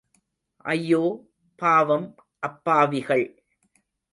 ஐயோ, பாவம் அப்பாவிகள்!